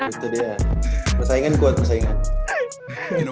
itu dia persaingan kuat persaingan